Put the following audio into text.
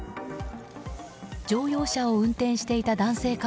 乗用車を運転していた男性